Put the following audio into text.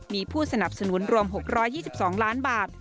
มีผู้สนับสนุนรวม๖๒๒ล้านบาท